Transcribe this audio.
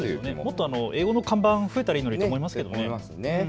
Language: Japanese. もっと英語の看板、増えたらいいのになと思いますよね。